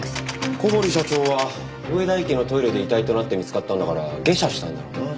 小堀社長は上田駅のトイレで遺体となって見つかったんだから下車したんだろうな。